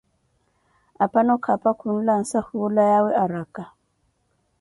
Aphano khapa khulansa hula yawe araka.